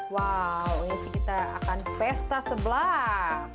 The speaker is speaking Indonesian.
wow ini sih kita akan pesta sebelah